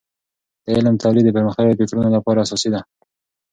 د علم تولید د پرمختللیو فکرونو لپاره اساسي ده.